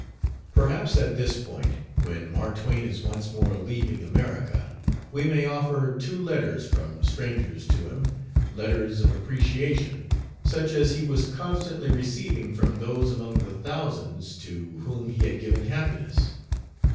Perhaps at this point, when Mark Twain is once more leaving America, we may offer two letters from strangers to him letters of appreciation such as he was constantly receiving from those among the thousands to whom he had given happiness.